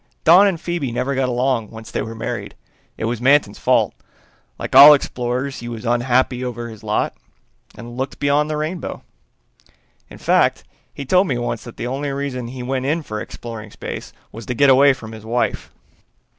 "Don and Phoebe never got along once they were married. It was Manton's fault. Like all explorers he was unhappy over his lot and looked beyond the rainbow. In fact, he told me once that the only reason he went in for exploring space was to get away from his wife."